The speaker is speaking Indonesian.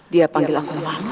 dia panggil aku lama